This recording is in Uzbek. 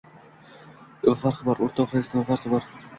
— Nima farqi bor, o‘rtoq rais, nima farqi bor?